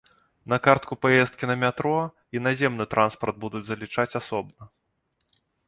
На картку паездкі на метро і наземны транспарт будуць залічаць асобна.